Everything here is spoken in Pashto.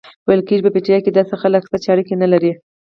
ویل کېږي په پیترا کې داسې خلک شته چې اړیکه نه لري.